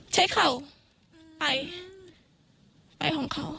ใช้เค้าไปไปของเค้า